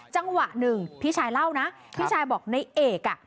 จังหวะหนึ่งพี่ชายเล่านะพี่ชายบอกในเอกอ่ะ